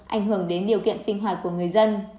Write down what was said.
ảnh hưởng đến điều kiện sinh hoạt của người dân